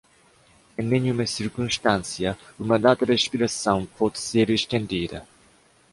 Em nenhuma circunstância uma data de expiração pode ser estendida.